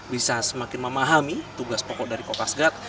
bisa semakin memahami tugas pokok dari kopasgat